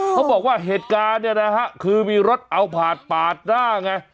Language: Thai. เขาบอกว่าเหตุการณ์เนี่ยนะฮะคือมีรถเอาผาดปาดหน้าไง